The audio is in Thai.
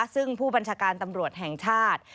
ซึ่งผู้บัญชาการตำรวจแห่งชาติ